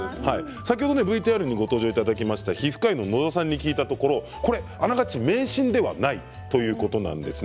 先ほどＶＴＲにもご登場いただきました皮膚科医の野田さんに聞いたところあながち迷信ではないということなんです。